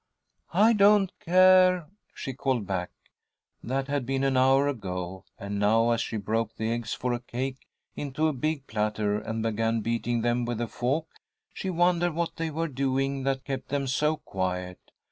"I don't care," she called back. That had been an hour ago, and now, as she broke the eggs for a cake into a big platter, and began beating them with a fork, she wondered what they were doing that kept them so quiet.